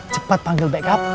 cepat panggil backup